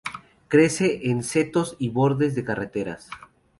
Crece en setos y bordes de carreteras.